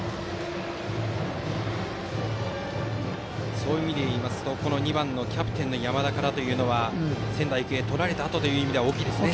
そういう意味ですと２番キャプテンの山田からというのは仙台育英、取られたあとという意味では大きいですね。